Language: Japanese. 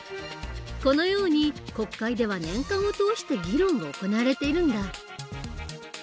このように国会では年間を通して議論が行われているんだ。